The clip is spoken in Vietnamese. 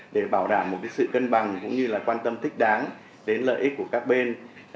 để bảo đảm một sự cân bằng cũng như là quan tâm thích đáng đến lợi ích của các bên